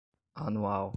anual